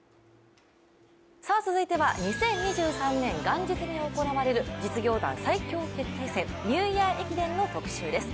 続いては２０２３年元日に行われる実業団最強決定戦、ニューイヤー駅伝の特集です。